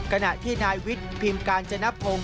กะหนะที่นายวิทย์พิมพ์การจณะพงศ์